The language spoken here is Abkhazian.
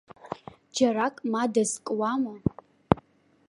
Џьарак ма дазкуама.